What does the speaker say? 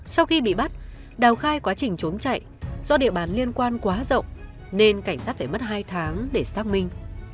sau khi bị bắt đào khai quá trình trốn chạy do địa bàn liên quan quá rộng nên cảnh sát phải mất hai tháng để xác minh